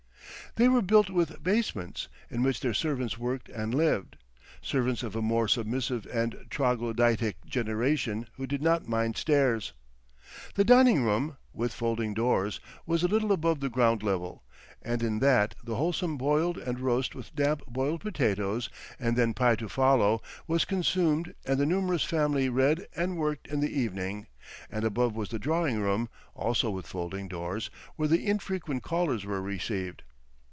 They were built with basements, in which their servants worked and lived—servants of a more submissive and troglodytic generation who did not mind stairs. The dining room (with folding doors) was a little above the ground level, and in that the wholesome boiled and roast with damp boiled potatoes and then pie to follow, was consumed and the numerous family read and worked in the evening, and above was the drawing room (also with folding doors), where the infrequent callers were received.